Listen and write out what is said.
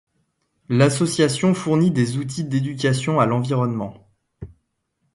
L'association fournit des outils d'éducation à l'environnement.